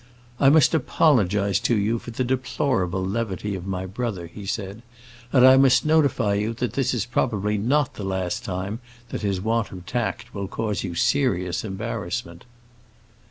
"I must apologize to you for the deplorable levity of my brother," he said, "and I must notify you that this is probably not the last time that his want of tact will cause you serious embarrassment."